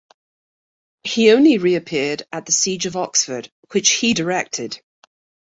He only reappeared at the siege of Oxford, which he directed.